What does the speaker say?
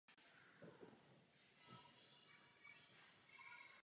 Živí se nektarem.